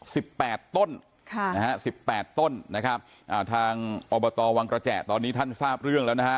สิบแปดต้นค่ะนะฮะสิบแปดต้นนะครับอ่าทางอบตวังกระแจตอนนี้ท่านทราบเรื่องแล้วนะฮะ